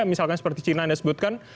misalkan seperti cina anda sebutkan